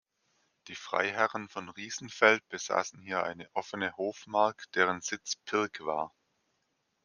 Die Freiherren von Riesenfeld besaßen hier eine offene Hofmark, deren Sitz Pirk war.